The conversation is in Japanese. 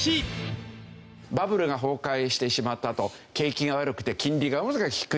バブルが崩壊してしまったあと景気が悪くて金利が低い。